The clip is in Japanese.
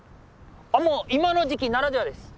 もう今の時期ならではです。